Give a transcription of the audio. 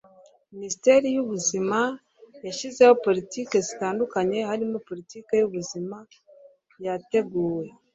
Minisiteri y Ubuzima yashyizeho politiki zitandukanye harimo politiki y ubuzima yateguwe